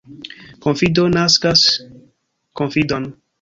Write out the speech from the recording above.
Konfido naskas konfidon.